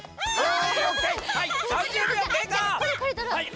はい！